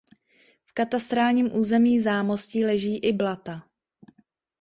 V katastrálním území Zámostí leží i Blata.